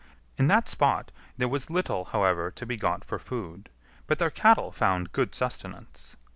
In that spot there was little, however, to be got for food, but their cattle found good sustenance.